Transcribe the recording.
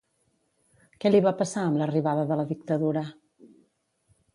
Què li va passar amb l'arribada de la dictadura?